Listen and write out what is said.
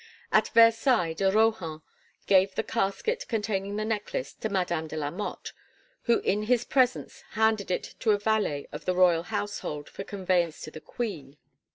At Versailles de Rohan gave the casket containing the necklace to Madame de la Motte, who in his presence handed it to a valet of the royal household for conveyance to the queen.